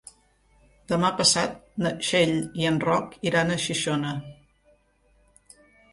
Demà passat na Txell i en Roc iran a Xixona.